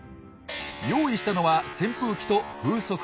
用意したのは扇風機と風速計。